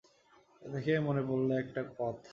এ থেকে মনে পড়ল একটা কথা।